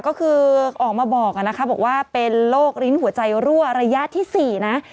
ก็คือออกมาบอกนะคะบอกว่าเป็นโรคลิ้นหัวใจรั่วระยะที่๔นะ